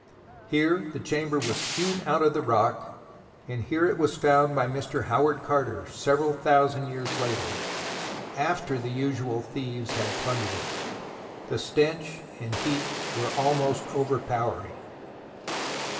Here the chamber was hewn out of the rock, and here it was found by Mr. Howard Carter several thousand years later, after the usual thieves had plundered it. The stench and heat were almost overpowering.